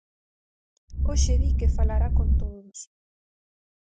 Hoxe di que falará con todos.